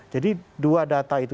jadi dua data itu